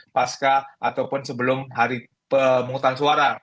pasca ataupun sebelum hari pemungutan suara